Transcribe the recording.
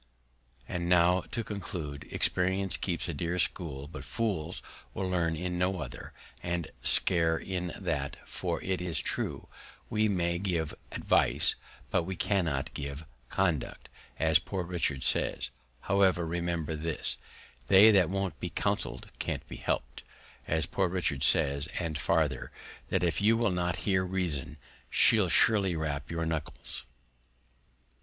And now to conclude, Experience keeps a dear School, but Fools will learn in no other, and scarce in that; for it is true, we may give Advice, but we cannot give Conduct, as Poor Richard says: However, remember this, They that won't be counseled, can't be helped, as Poor Richard says: and farther, That if you will not hear Reason, she'll surely rap your Knuckles.